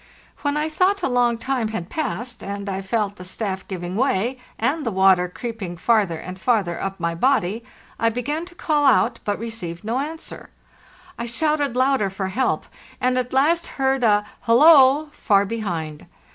© When I thought a long time had passed, and I felt the staff giving way and the water creeping farther and farther up my body, I began to call out, but received no answer. | I shouted louder for help, and at last heard a" Hullo!" far behind.